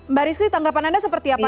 mbak rizli tanggapan anda seperti apa